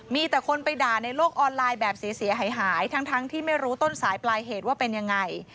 มีแต่คนไปด่าในโลกออนไลน์แบบเสียหายทั้งที่ไม่รู้ต้นสายปลายเหตุว่าเป็นยังไง